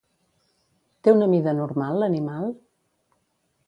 Té una mida normal l'animal?